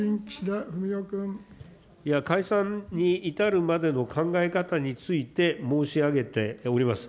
いや、解散に至るまでの考え方について申し上げております。